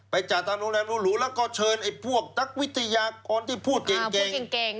ไปจัดตามโรงแรมหลูแล้วก็เชิญพวกนักวิทยากรที่พูดเก่ง